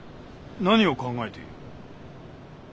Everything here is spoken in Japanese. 何を考えている？